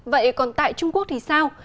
vậy còn tại trung quốc thì sao